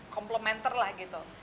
komplementer lah gitu